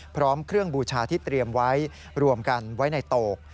พร้อมเครื่องบูชาที่เตรียมไว้รวมกันไว้ในโตก